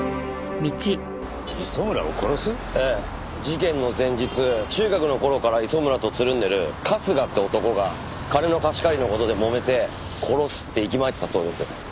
事件の前日中学の頃から磯村とつるんでる春日って男が金の貸し借りの事でもめて殺すって息巻いてたそうです。